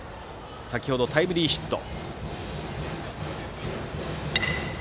先程はタイムリーヒット。